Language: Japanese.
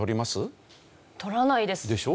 取らないです。でしょ？